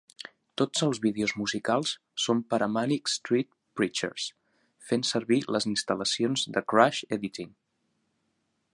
Tots els vídeos musicals són per a Manic Street Preachers, fent servir les instal·lacions de "Crash Editing".